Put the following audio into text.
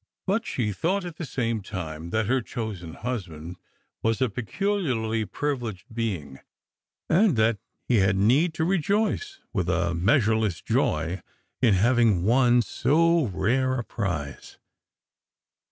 But she thought at the same time that her chosen husband was a peculiarly privileged being, and that he had need to rejoice with a measureless joy in having won so rare a prize.